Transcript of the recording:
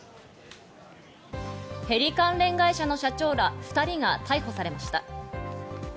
ヘリ関連会社の社長ら２人が逮捕されました。